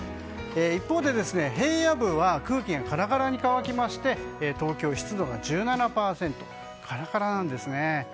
一方で平野部は空気がカラカラに乾きまして東京は湿度が１７％とカラカラなんですね。